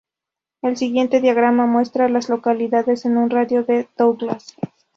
El siguiente diagrama muestra a las localidades en un radio de de Douglas.